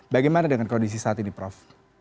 bagaimana dengan kondisi saat ini prof